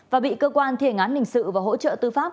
và bị cơ quan thiền án lình sự và hỗ trợ tư pháp